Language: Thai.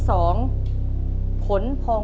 ขอบคุณครับ